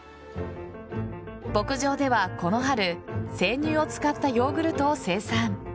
牧場では、この春生乳を使ったヨーグルトを生産。